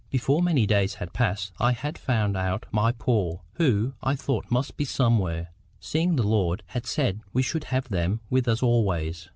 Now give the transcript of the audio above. Before many days had passed I had found out my poor, who, I thought, must be somewhere, seeing the Lord had said we should have them with us always.